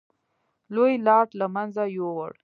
لوی لاټ له منځه یووړ.